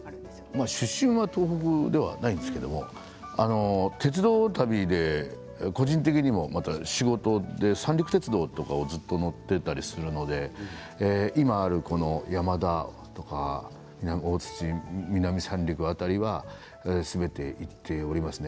出身は東北ではないんですけれど鉄道旅で個人的にもまた仕事で三陸鉄道とかずっと乗っていたりするので今ある山田とか大槌、南三陸辺りはすべて、行っておりますね。